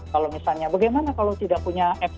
kalau misalnya bagaimana kalau tidak punya apps